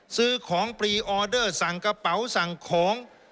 ซื้อของพรีออเดอร์สั่งกระเป๋าสั่งของ